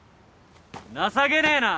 情けねえな。